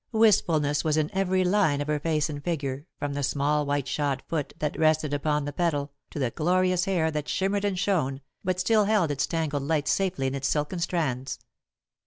Wistfulness was in every line of her face and figure, from the small white shod foot that rested upon the pedal to the glorious hair that shimmered and shone but still held its tangled lights safely in its silken strands.